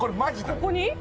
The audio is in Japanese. ここに？